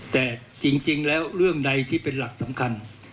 แต่จริงแล้วเรื่องใดที่เป็นหลักสำคัญ